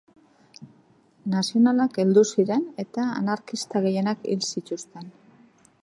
Nazionalak heldu ziren eta anarkista gehienak hil zituzten.